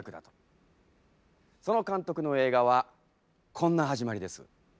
その監督の映画はこんな始まりです。